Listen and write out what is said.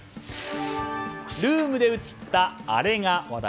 ルームで映ったあれが話題。